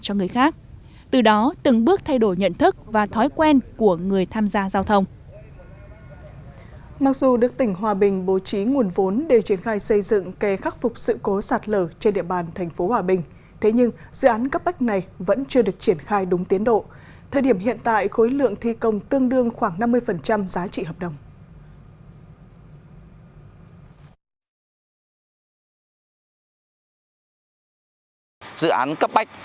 các du đức tỉnh hòa bình bố trí nguồn vốn để triển khai xây dựng kẻ khắc phục sự cố sạt lở trên địa bàn tp hòa bình thế nhưng dự án cấp bách này vẫn chưa được triển khai đúng tiến độ thời điểm hiện tại khối lượng thi công tương đương khoảng năm mươi giá trị hợp đồng